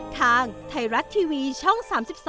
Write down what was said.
ทางไทยรัฐทีวีช่อง๓๒